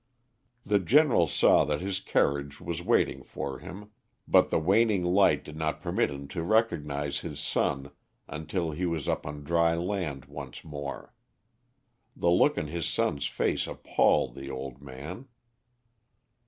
The General saw that his carriage was waiting for him, but the waning light did not permit him to recognise his son until he was up on dry land once more. The look on his son's face appalled the old man.